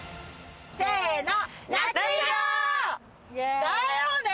せの！